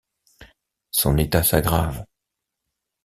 Son état s’aggrave.